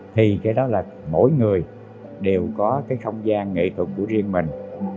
thì cái đó là mỗi người đều có cái không gian nghệ thuật của riêng mình